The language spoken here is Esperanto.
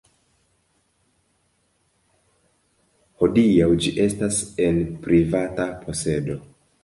Hodiaŭ ĝi estas en privata posedo.